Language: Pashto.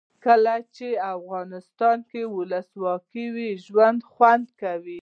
کله چې افغانستان کې ولسواکي وي ژوند خوند کوي.